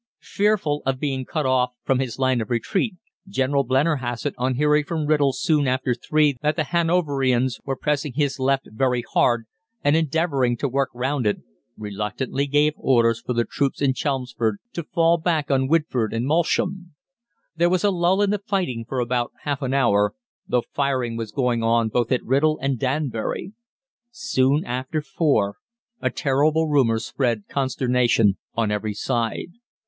"Fearful of being cut off from his line of retreat, General Blennerhasset, on hearing from Writtle soon after three that the Hanoverians were pressing his left very hard, and endeavouring to work round it, reluctantly gave orders for the troops in Chelmsford to fall back on Widford and Moulsham. There was a lull in the fighting for about half an hour, though firing was going on both at Writtle and Danbury. Soon after four a terrible rumour spread consternation on every side.